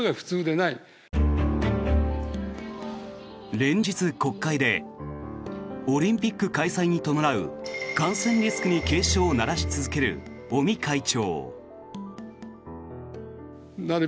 連日、国会でオリンピック開催に伴う感染リスクに警鐘を鳴らし続ける尾身会長。